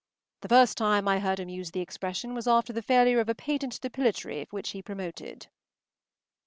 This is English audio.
The first time I heard him use the expression was after the failure of a patent depilatory which he promoted.